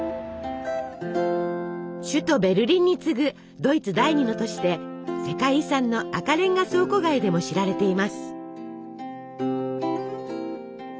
首都ベルリンに次ぐドイツ第二の都市で世界遺産の赤レンガ倉庫街でも知られています。